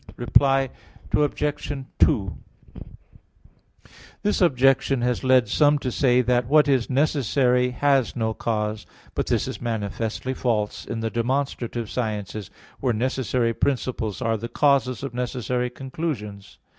Reply Obj. 2: This objection has led some to say that what is necessary has no cause (Phys. viii, text 46). But this is manifestly false in the demonstrative sciences, where necessary principles are the causes of necessary conclusions.